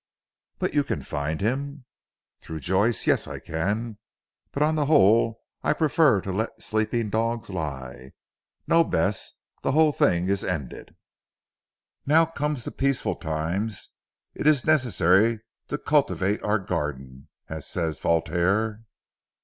"But you can find him?" "Through Joyce. Yes, I can. But on the whole I prefer to let sleeping dogs lie. No, Bess. The whole thing is ended. Now come the peaceful times. It is necessary to cultivate our garden, as says Voltaire."